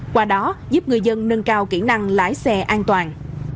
qua đó giúp người dân nâng cao kỹ năng lái xe an toàn